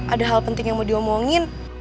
ada hal penting yang mau diomongin